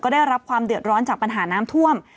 ได้รับความเดือดร้อนจากปัญหาน้ำท่วม